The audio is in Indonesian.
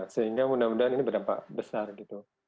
sehingga mudah mudahan ini berdampak besar gitu